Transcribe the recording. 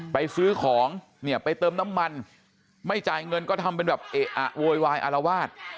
ซื้อของเนี่ยไปเติมน้ำมันไม่จ่ายเงินก็ทำเป็นแบบเอะอะโวยวายอารวาส